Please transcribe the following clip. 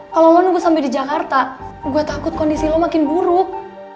kalau lu nunggu sampe di jakarta gua takut kondisi lu makin buruk